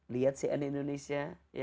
lihat cnn indonesia